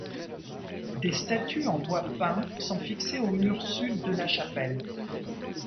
Des statues en bois peint sont fixées au mur sud de la chapelle.